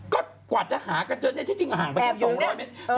ก็กว่าจะหากันเจอในที่ทิ้งอาหารไปกว่า๒๐๐เมตร